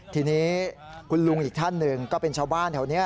ทีนี้คุณลุงอีกท่านหนึ่งก็เป็นชาวบ้านแถวนี้